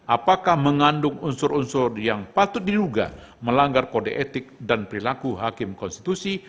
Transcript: apakah mengandung unsur unsur yang patut diduga melanggar kode etik dan perilaku hakim konstitusi